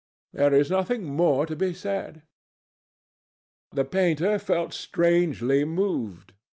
There is nothing more to be said." The painter felt strangely moved.